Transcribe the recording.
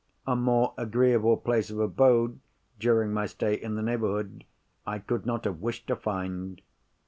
A more agreeable place of abode, during my stay in the neighbourhood, I could not have wished to find.